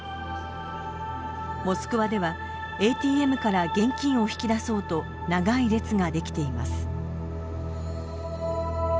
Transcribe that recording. モスクワではＡＴＭから現金を引き出そうと長い列ができています。